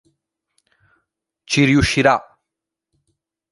Ci riuscirà.